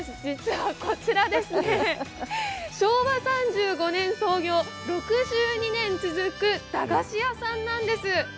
実は、こちらですね昭和３５年創業６２年続く駄菓子屋さんなんです。